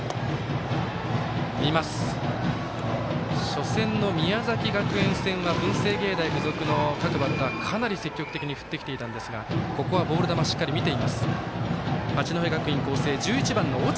初戦の宮崎学園戦は文星芸大付属の各バッターは、かなり積極的に振ってきていましたがここはボールしっかり見ています。